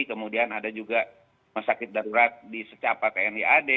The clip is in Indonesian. kemudian ada juga masyarakat darurat di secapa tni ad